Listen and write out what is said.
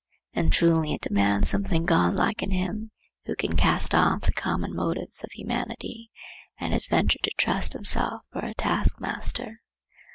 And truly it demands something godlike in him who has cast off the common motives of humanity and has ventured to trust himself for a taskmaster.